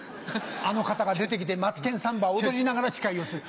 あの方が出て来て『マツケンサンバ』を踊りながら司会をする。